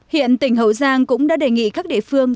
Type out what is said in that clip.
hiện tỉnh hậu giang cũng đã đề nghị các địa phương